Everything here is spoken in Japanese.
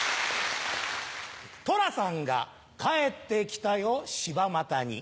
寅さんが帰ってきたよ柴又に。